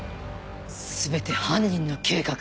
全て犯人の計画。